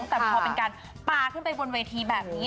แต่พอเป็นการปลาขึ้นไปบนเวทีแบบนี้